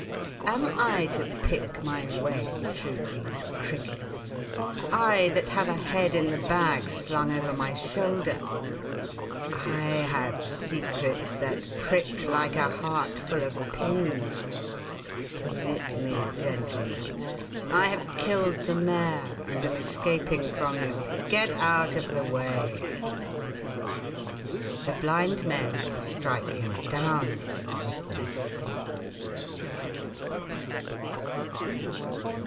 Am I to pick my way Through these crickets?— I, that have a head In the bag Slung over my shoulder! I have secrets That prick Like a heart full of pins. Permit me, gentlemen, I have killed the mayor And am escaping from you. Get out of the way! (The blind men strike him down with their sticks.)